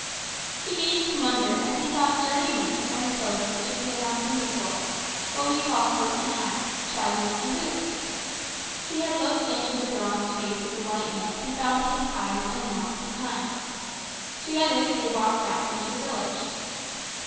He gazed in wonder as he saw a sturdy man wearing clothes such as he had not seen before what we call coat and hat, trousers and boots. He looked into the bronzed face of the white man and saw that his eyes and mouth were kind. Together they walked back into the village.